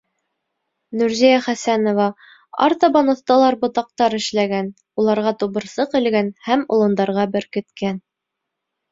Нурзиә ХӘСӘНОВА Артабан оҫталар ботаҡтар эшләгән, уларға тубырсыҡ элгән һәм олондарға беркеткән...